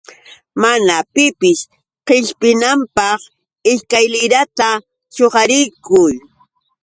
Mana pipis qishpinanpaq ishkalirata chuqarirquy.